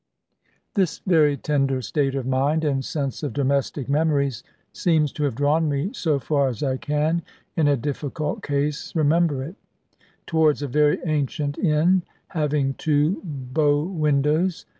This very tender state of mind, and sense of domestic memories, seems to have drawn me (so far as I can, in a difficult case, remember it) towards a very ancient inn having two bow windows.